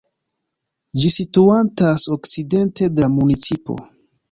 Ĝi situantas okcidente de la municipo.